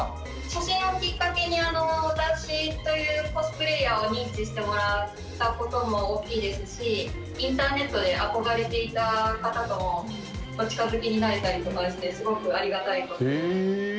写真をきっかけに、私というコスプレイヤーを認知してもらったことも大きいですし、インターネットで憧れていた方とお近づきになれたりとかして、すごくありがたいことです。